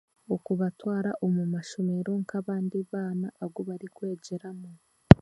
Okubatwara omu mashomero nk'abandi baana agu barikwegyeramu.